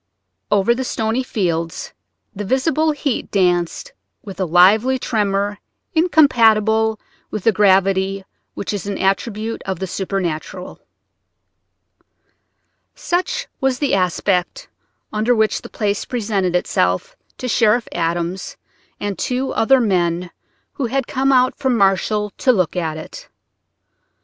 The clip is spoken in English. Over the stony fields the visible heat danced with a lively tremor incompatible with the gravity which is an attribute of the supernatural. Such was the aspect under which the place presented itself to Sheriff Adams and two other men who had come out from Marshall to look at it.